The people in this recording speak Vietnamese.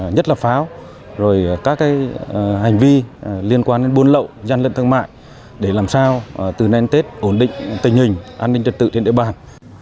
nhất là pháo rồi các hành vi liên quan đến buôn lậu gian lận thương mại để làm sao từ nay tết ổn định tình hình an ninh trật tự trên địa bàn